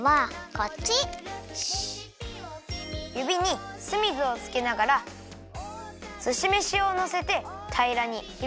ゆびに酢水をつけながらすしめしをのせてたいらにひろげます！